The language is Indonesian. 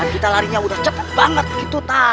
kita larinya udah cepet banget gitu